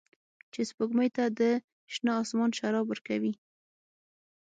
چې سپوږمۍ ته د شنه اسمان شراب ورکوي